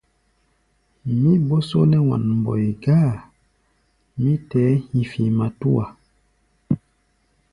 Mí bó só nɛ́ wan-mbɔi gáa, mí tɛɛ́ hi̧fi̧ matúa.